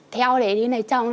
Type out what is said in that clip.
theo để đi lấy chồng